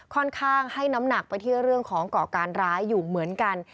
ค่อนข้างให้น้ำหนักไปที่เรื่องของก่อการร้ายอยู่เหมือนกัน